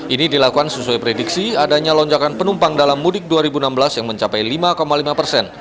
ini dilakukan sesuai prediksi adanya lonjakan penumpang dalam mudik dua ribu enam belas yang mencapai lima lima persen